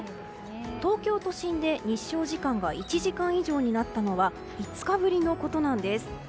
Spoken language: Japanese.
東京都心で日照時間が１時間以上になったのは５日ぶりのことなんです。